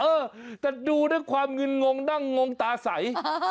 เออแต่ดูนี่ความเงินงงนั่งงงตาใส